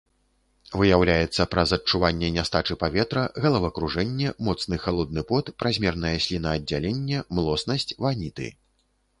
Выяўляецца праз адчуванне нястачы паветра, галавакружэнне, моцны халодны пот, празмернае слінааддзяленне, млоснасць, ваніты.